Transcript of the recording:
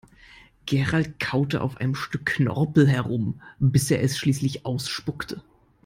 Gerald kaute auf einem Stück Knorpel herum, bis er es schließlich ausspuckte.